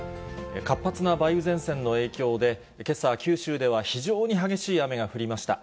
活発な梅雨前線の影響で、けさ、九州では非常に激しい雨が降りました。